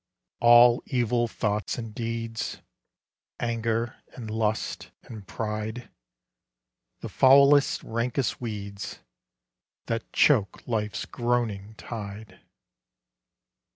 All evil thoughts and deeds; Anger, and lust, and pride; The foulest, rankest weeds, That choke Life's groaning tide!